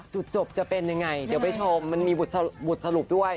จุดจบจะเป็นยังไงเดี๋ยวไปชมมันมีบทสรุปด้วย